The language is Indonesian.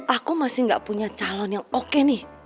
aku masih gak punya calon yang oke nih